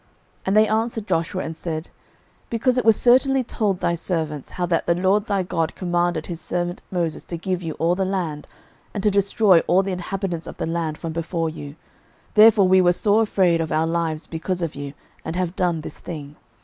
06:009:024 And they answered Joshua, and said, Because it was certainly told thy servants, how that the LORD thy God commanded his servant Moses to give you all the land, and to destroy all the inhabitants of the land from before you, therefore we were sore afraid of our lives because of you, and have done this thing.